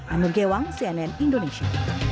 amir gewang cnn indonesia